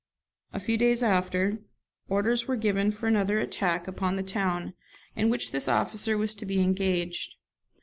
A few days after, orders were given for another attack upon the town, in which this officer was to be engaged.